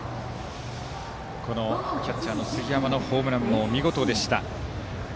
キャッチャーの杉山のホームランも見事でした。